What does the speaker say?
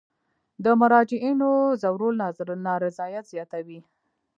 د مراجعینو ځورول نارضایت زیاتوي.